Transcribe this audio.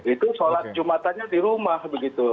itu sholat jumatannya di rumah begitu